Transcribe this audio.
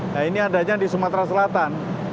nah ini adanya di sumatera selatan